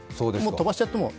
飛ばしちゃっても。